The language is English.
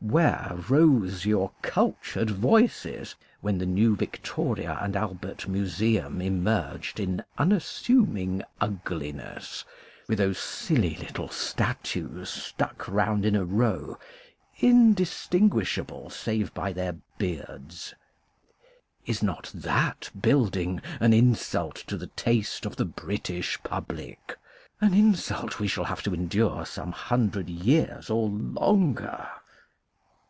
Where rose your cultured voices when the new Victoria and Albert Museum emerged in unassuming ugliness, with those silly little statues stuck round in a row, indis tinguishable save by their beards. Is not that building an insult to the taste of the British Public? An insult we shall have to endure some hundred years or longer.